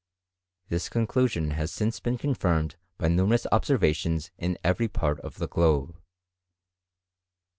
This conclusion has sin been confirmed by numerous observations in ever^ part of the globe.